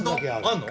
あんの？